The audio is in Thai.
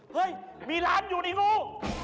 เฮ้ยมีร้านอยู่ในฟู